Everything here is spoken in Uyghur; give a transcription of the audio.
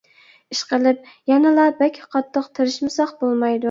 ئىشقىلىپ يەنىلا بەك قاتتىق تىرىشمىساق بولمايدۇ.